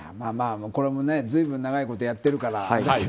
これも随分長いことやってるから。